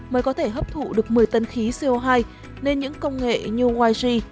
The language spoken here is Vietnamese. để kiểm soát khí co hai nên những công nghệ như yg